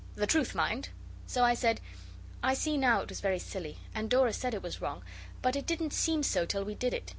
'The truth, mind.' So I said, 'I see now it was very silly, and Dora said it was wrong, but it didn't seem so till we did it.